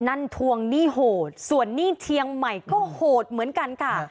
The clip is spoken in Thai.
ทวงหนี้โหดส่วนหนี้เชียงใหม่ก็โหดเหมือนกันค่ะ